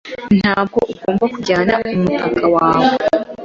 Ntabwo ugomba kujyana umutaka wawe.